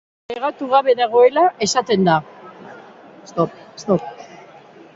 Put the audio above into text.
Bestela parekatu gabe dagoela esaten da.